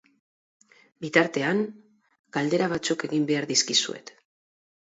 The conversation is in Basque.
Bitartean, galdera batzuk egin behar dizkizuet.